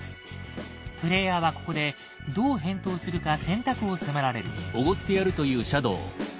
プレイヤーはここでどう返答するか選択を迫られる。